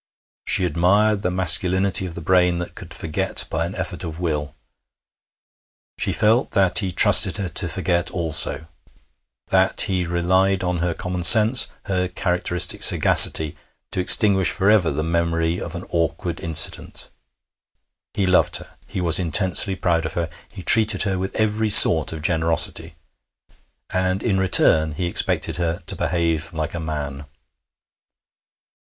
She admired the masculinity of the brain that could forget by an effort of will. She felt that he trusted her to forget also; that he relied on her common sense, her characteristic sagacity, to extinguish for ever the memory of an awkward incident. He loved her. He was intensely proud of her. He treated her with every sort of generosity. And in return he expected her to behave like a man.